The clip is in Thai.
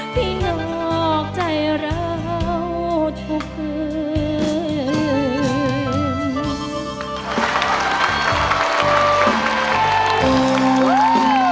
ที่งอกใจเราทุกคืน